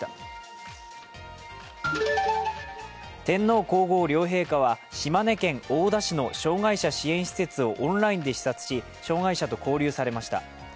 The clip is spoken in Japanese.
天皇・皇后両陛下は、島根県大田市の障害者支援施設をオンラインで視察し障がい者と交流されました。